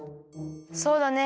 そうだね